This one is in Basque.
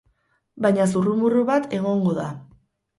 Baina zurrumurru bat egongo da.